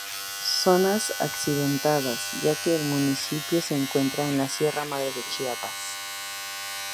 Zonas accidentadas, ya que el municipio se encuentra en la Sierra Madre de Chiapas.